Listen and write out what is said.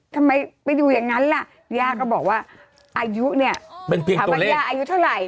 ทำไมเป็นอยู่อย่างงั้นล่ะย่าก็บอกว่าอายุเนี่ยเป็นเพียงตัวเลขอายุเท่าไหร่